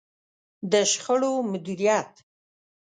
د شخړو مديريت.